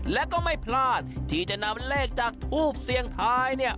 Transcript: และก็ไม่พลาดที่จะนำเลขจากทูปเสียงไทย